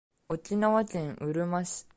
沖縄県うるま市